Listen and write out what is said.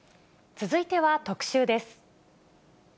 続いては特集です。